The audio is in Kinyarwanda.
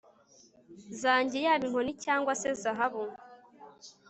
zanjye, yaba inkoni cyangwa se zahabu